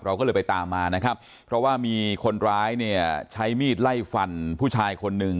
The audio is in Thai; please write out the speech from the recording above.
เราก็เลยไปตามมานะครับเพราะว่ามีคนร้ายเนี่ยใช้มีดไล่ฟันผู้ชายคนหนึ่ง